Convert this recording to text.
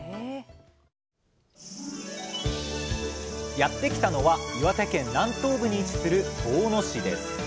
やって来たのは岩手県南東部に位置する遠野市です